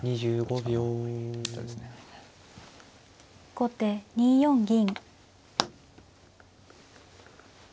後手２四銀。